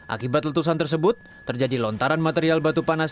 akibat letusan tersebut terjadi lontaran material batu panas